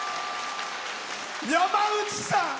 山内さん！